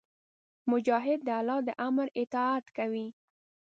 مجاهد د الله د امر اطاعت کوي.